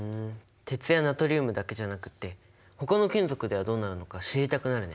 鉄やナトリウムだけじゃなくってほかの金属ではどうなるのか知りたくなるね。